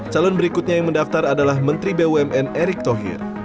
calon berikutnya yang mendaftar adalah menteri bumn erick thohir